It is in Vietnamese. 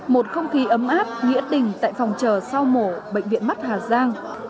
một không khí ấm áp nghĩa tình tại phòng chờ sau mổ bệnh viện mắt hà giang